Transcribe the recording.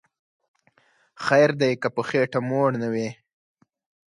خیر دی که په خیټه موړ نه وی